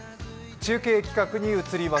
中継企画に移ります。